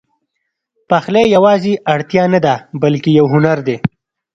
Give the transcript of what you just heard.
پخلی یواځې اړتیا نه ده، بلکې یو هنر دی.